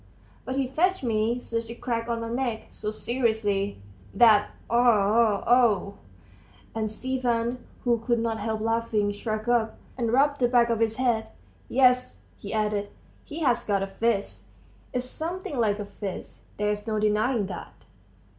but he fetched me such a crack on my neck, so seriously, that oh! oh!" And Stepan, who could not help laughing, shrugged up and rubbed the back of his head. "Yes," he added; "he has got a fist; it's something like a fist, there's no denying that!"